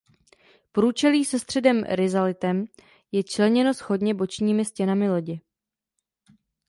Průčelí se středním rizalitem je členěno shodně bočními stěnami lodi.